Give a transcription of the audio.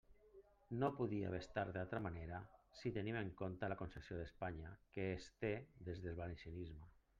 No podia haver estat d'altra manera si tenim en compte la concepció d'Espanya que es té des del valencianisme.